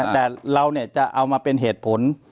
แต่เราจะเอามาเป็นเหตุผล